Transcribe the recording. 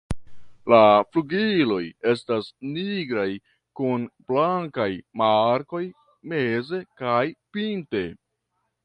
La flugiloj estas nigraj kun blankaj markoj meze kaj pinte.